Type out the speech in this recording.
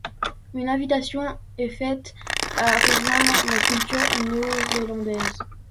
Une invitation est faite à rejoindre la culture néo-zélandaise.